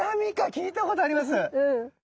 聞いたことあります。